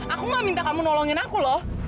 aku gak minta kamu nolongin aku loh